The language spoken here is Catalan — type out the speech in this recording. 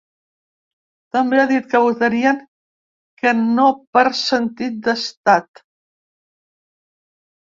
També ha dit que votarien que no per ‘sentit d’estat’.